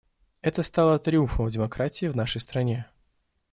Это стало триумфом демократии в нашей стране.